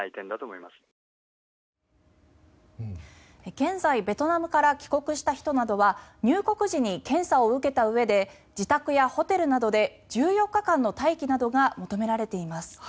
現在ベトナムから帰国した人などは入国時に検査を受けたうえで自宅やホテルなどで１４日間の待機などが求められています。